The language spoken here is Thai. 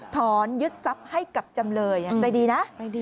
ถอนยึดทรัพย์ให้กับจำเลยใจดีนะ